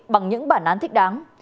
bằng những bản án thích đáng